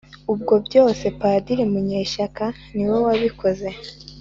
Ubwo byose Padiri Munyeshyaka niwe wabikoze